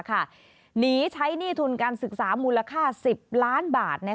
หนีใช้หนี้ทุนการศึกษามูลค่า๑๐ล้านบาท